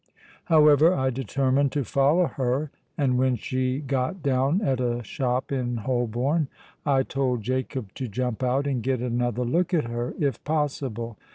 However, I determined to follow her; and when she got down at a shop in Holborn, I told Jacob to jump out and get another good look at her, if possible.